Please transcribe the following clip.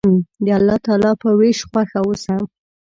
د الله تعالی په ویش خوښ اوسه.